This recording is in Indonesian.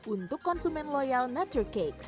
untuk konsumen loyal natter cakes